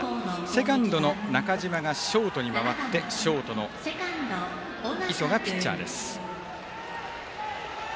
セカンドの中島がショートに回ってショートの磯がピッチャーです。